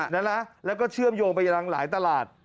นะแล้วก็เชื่อมโยงไปยังหลายตลาด